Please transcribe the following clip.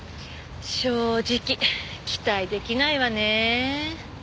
正直期待できないわねえ。